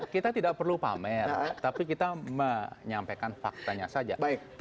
kita tidak perlu pamer tapi kita menyampaikan faktanya saja